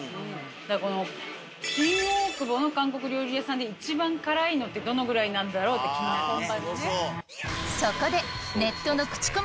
だからこの新大久保の韓国料理屋さんで一番辛いのってどのぐらいなんだろうって気になったね。